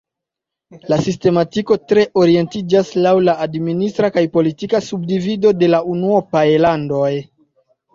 La sistematiko tre orientiĝas laŭ la administra kaj politika subdivido de la unuopaj landoj.